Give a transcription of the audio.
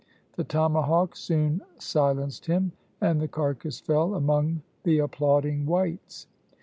The tomahawk soon silenced him, and the carcass fell among the applauding whites.